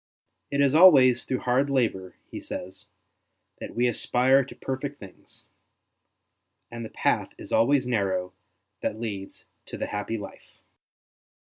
''It is always through hard labour,'' he says, '' that we aspire to perfect things, and the path is always narrow that leads to the happy life."